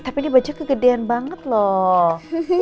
tapi ini baju kegedean banget loh